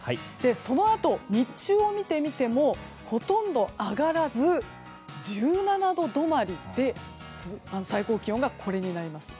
そのあと、日中を見てみてもほとんど上がらず１７度止まりで最高気温がこれになります。